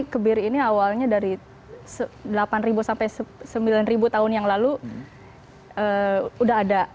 kebiri ini awalnya dari delapan sampai sembilan tahun yang lalu udah ada